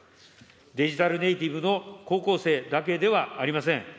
デジタルネイティブの高校生だけではありません。